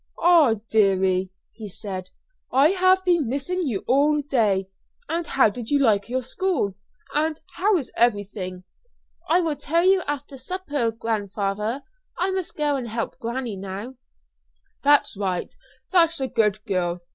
"Ah, deary!" he said, "I have been missing you all day. And how did you like your school? And how is everything?" "I will tell you after supper, grandfather. I must go and help granny now." "That's right; that's a good girl.